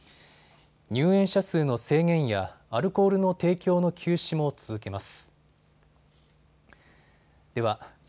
入園者数の制限やアルコールの提供の休止も続けます。